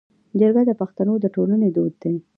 جرګه د پښتنو د ټولنې دود دی